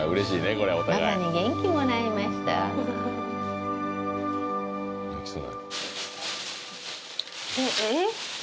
ママに元気もらいましたえっ？